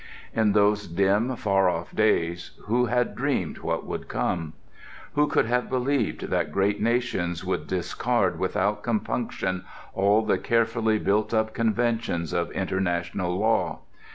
In those dim, far off days, who had dreamed what would come? Who could have believed that great nations would discard without compunction all the carefully built up conventions of international law?